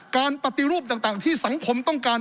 การปฏิรูปต่างที่สังคมต้องการ